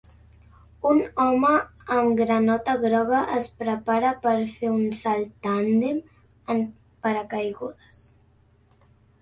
Un home amb granota groga es prepara per fer un salt tàndem en paracaigudes